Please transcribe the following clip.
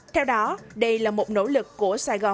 theo đó đây là một nỗ lực của sài gòn